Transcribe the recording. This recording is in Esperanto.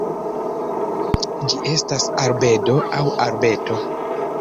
Ĝi estas arbedo aŭ arbeto.